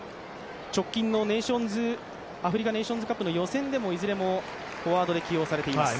直近のアフリカネーションズカップの予選でもいずれもフォワードで起用されています。